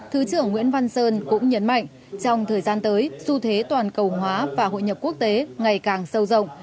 thứ trưởng nguyễn văn sơn cũng nhấn mạnh trong thời gian tới xu thế toàn cầu hóa và hội nhập quốc tế ngày càng sâu rộng